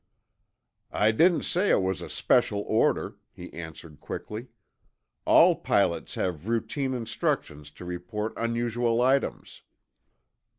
"I didn't say it was a special order," he answered quickly. "All pilots have routine instructions to report unusual items."